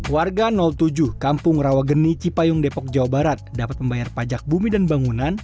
warga tujuh kampung rawageni cipayung depok jawa barat dapat membayar pajak bumi dan bangunan